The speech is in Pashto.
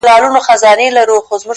همدغه مي بس ټوله پت – غرور دی د ژوند;